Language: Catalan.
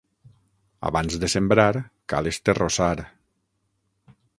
Abans de sembrar, cal esterrossar.